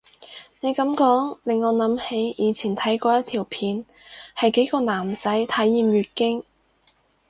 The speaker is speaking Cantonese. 你噉講令我諗起以前睇過一條片係幾個男仔體驗月經